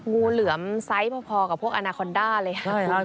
งูเหลือมไซส์พอกับพวกอนาคอนด้าเลยค่ะ